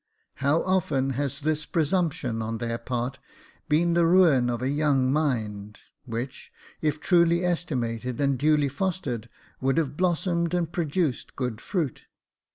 How often has this presumption on their part been the ruin of a young mind, which, if truly estimated and duly fostered, would have blossomed and produced good fruit